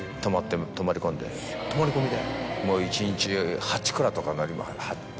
泊まり込みで？